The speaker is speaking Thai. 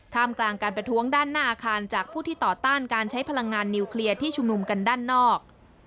มกลางการประท้วงด้านหน้าอาคารจากผู้ที่ต่อต้านการใช้พลังงานนิวเคลียร์ที่ชุมนุมกันด้านนอก